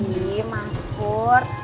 iya mas pur